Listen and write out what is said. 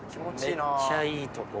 めっちゃいいとこ。